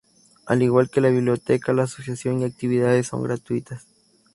Al igual que la Biblioteca la asociación y actividades son gratuitas.